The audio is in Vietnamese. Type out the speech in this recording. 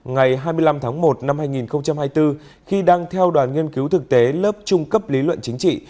ngày hai mươi năm tháng một năm hai nghìn hai mươi bốn khi đang theo đoàn nghiên cứu thực tế lớp trung cấp lý luận chính trị